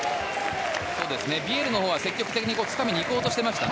ビエルのほうは積極的につかみに行こうとしていましたね。